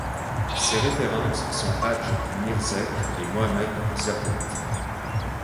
Ses références sont Hadj M'rizek et Mohamed Zerbout.